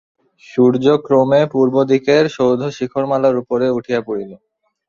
সূর্য ক্রমে পূর্বদিকের সৌধশিখরমালার উপরে উঠিয়া পড়িল।